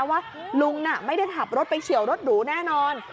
ว่าลุงน่ะไม่ได้ขับรถไปเฉียวรถหรูแน่นอน